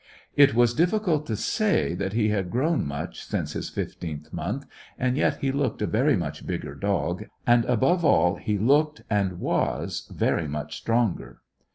It was difficult to say that he had grown much since his fifteenth month, and yet he looked a very much bigger dog, and, above all, he looked and was very much stronger.